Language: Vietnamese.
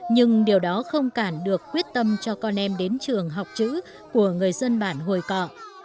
nhưng điều đó không cản được quyết tâm cho con em đến trường học chữ của người dân bản hồi cọ